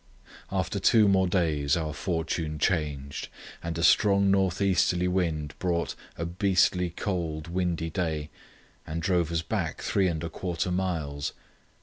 After two more days our fortune changed, and a strong north easterly wind brought "a beastly cold, windy day" and drove us back three and a quarter miles.